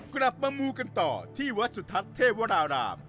กลับมามูกันต่อที่วัดสุทัศน์เทพวราราม